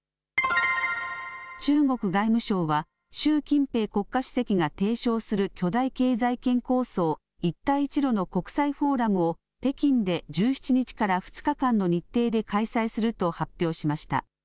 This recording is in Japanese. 中国外務省は習近平国家主席が提唱する巨大経済圏構想、一帯一路の国際フォーラムを北京で１７日から２日間の日程で開催すると発表しました。